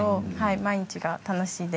毎日が楽しいです。